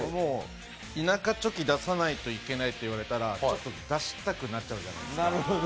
田舎チョキ出さないといけないと言われたら出したくなっちゃうじゃないですか。